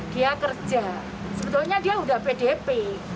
dia kerja sebetulnya dia sudah pdp